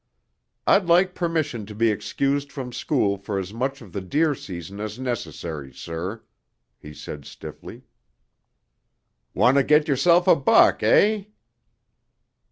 "I'd like permission to be excused from school for as much of the deer season as necessary, sir," he said stiffly. "Want to get yourself a buck, eh?"